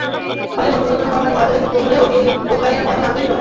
ফলে নতুন নতুন কোম্পানি বাজারে যুক্ত হলেও বিনিয়োগকারীরা তেমন আগ্রহী নয়।